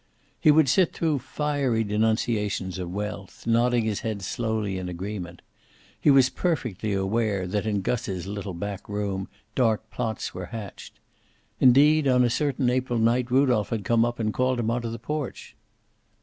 He would sit through fiery denunciations of wealth, nodding his head slowly in agreement. He was perfectly aware that in Gus's little back room dark plots were hatched. Indeed, on a certain April night Rudolph had come up and called him onto the porch.